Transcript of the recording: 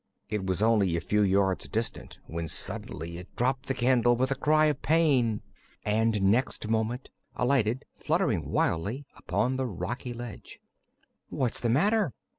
It was only a few yards distant when suddenly it dropped the candle with a cry of pain and next moment alighted, fluttering wildly, upon the rocky ledge. "What's the matter?"